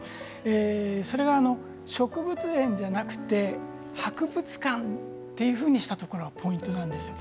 それが植物園ではなくて博物館というふうにしたところがポイントなんです。